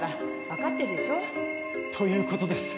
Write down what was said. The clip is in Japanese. わかってるでしょ？という事です。